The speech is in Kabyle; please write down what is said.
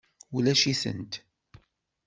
Ulac-itent.